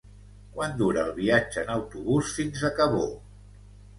Quant dura el viatge en autobús fins a Cabó?